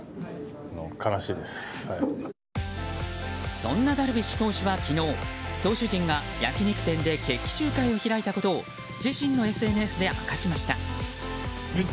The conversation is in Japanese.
そんなダルビッシュ投手は昨日投手陣が焼き肉店で決起集会を開いたことを自身のＳＮＳで明かしました。